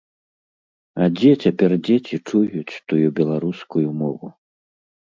А дзе цяпер дзеці чуюць тую беларускую мову?